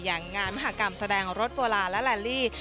อย่างงานมหากรรมแสดงรถบัวลาและแหลลี่